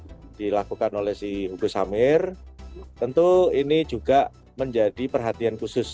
seperti apa yang di alami oleh dilakukan si hugo samir tentu ini juga menjadi perhatian khusus